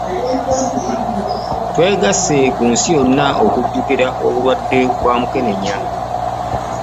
Twegase ku nsi yonna okujjuukira obulwadde bwa mukenenya.